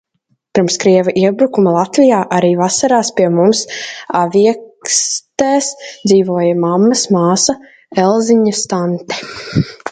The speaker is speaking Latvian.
Pirms krieva iebrukuma Latvijā arī vasarās pie mums Aviekstēs dzīvoja mammas māsa Elziņas tante.